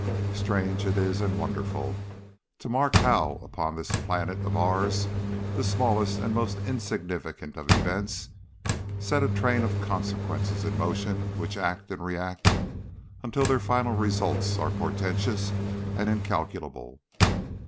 Strange it is and wonderful to mark how upon this planet of ours the smallest and most insignificant of events set a train of consequences in motion which act and react until their final results are portentous and incalculable.